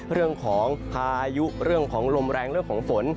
เรื่องของพายุเรื่องของลมแรงเรื่องของฝน